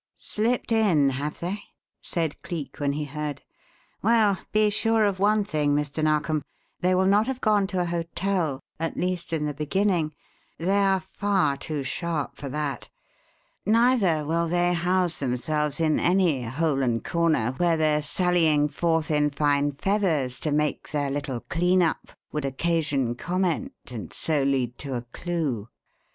"Slipped in, have they?" said Cleek when he heard. "Well, be sure of one thing, Mr. Narkom: they will not have gone to a hotel at least in the beginning they are far too sharp for that. Neither will they house themselves in any hole and corner where their sallying forth in fine feathers to make their little clean up would occasion comment and so lead to a clue.